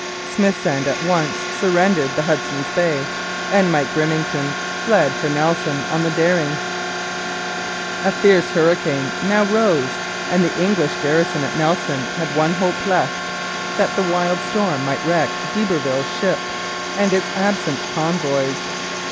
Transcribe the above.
Smithsend at once surrendered the Hudson's Bay, and Mike Grimmington fled for Nelson on the Dering. A fierce hurricane now rose and the English garrison at Nelson had one hope left that the wild storm might wreck d'Iberville's ship and its absent convoys.